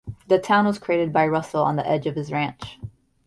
The town was created by Russell on the edge of his ranch.